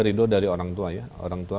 ridho dari orang tua ya orang tua